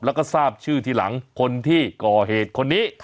แล้วก็ทราบชื่อทีหลังคนที่ก่อเหตุคนนี้